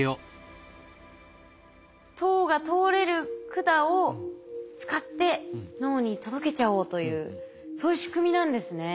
糖が通れる管を使って脳に届けちゃおうというそういう仕組みなんですね。